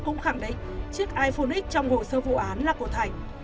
cũng khẳng định chiếc iphone x trong hồ sơ vụ án là của thành